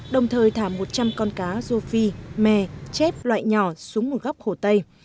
đồng thời thả một trăm linh con cá rô phi mè chép loại nhỏ xuống một góc hồ tây